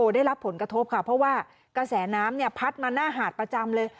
ได้รับผลกระทบค่ะเพราะว่ากระแสน้ำเนี่ยพัดมาหน้าหาดประจำเลย